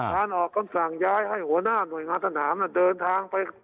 การออกคำสั่งย้ายให้หัวหน้าหน่วยงานสนามเดินทางไป